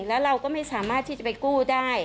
แล้วเราก็ไม่สามารถที่จะไปกู้ได้